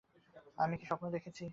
আমি কি স্বপ্ন দেখছি?